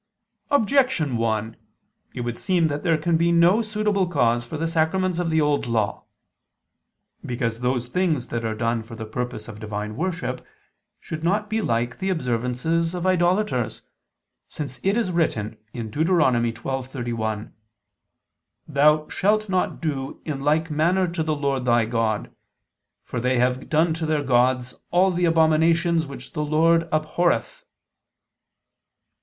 Objection 1: It would seem that there can be no suitable cause for the sacraments of the Old Law. Because those things that are done for the purpose of divine worship should not be like the observances of idolaters: since it is written (Deut. 12:31): "Thou shalt not do in like manner to the Lord thy God: for they have done to their gods all the abominations which the Lord abhorreth."